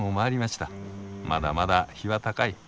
まだまだ日は高い。